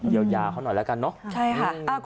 เยียวยาเขาหน่อยแล้วกันเนอะใช่ค่ะ